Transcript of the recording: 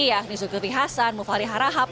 yakni zulkifli hasan mufalri harahab